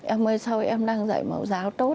em ơi sao em đang dạy mẫu giáo tốt